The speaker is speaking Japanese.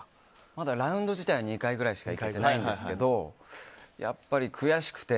まだ、ラウンド自体は２回くらいしか行ってないんですけどやっぱり悔しくて。